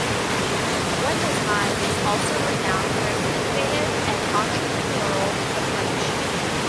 Windesheim is also renowned for its innovative and entrepreneurial approach.